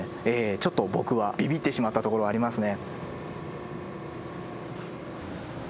ちょっと僕はビビってしまったところはありますね。